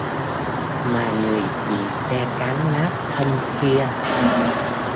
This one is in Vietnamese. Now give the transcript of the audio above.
mà người bị xe cán nát thân kia